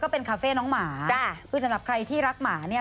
เป็นคาเฟ่น้องหมาจ้ะคือสำหรับใครที่รักหมาเนี่ย